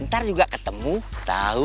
ntar juga ketemu tau